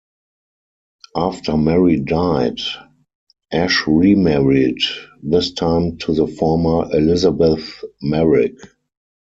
After Mary died, Ashe remarried, this time to the former Elizabeth Merrik.